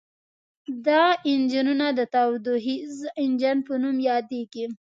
دا انجنونه د تودوخیز انجن په نوم یادیږي.